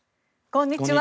こんにちは。